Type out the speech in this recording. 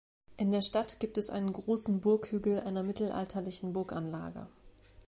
In der Stadt gibt es einen großen Burghügel einer mittelalterlichen Burganlage.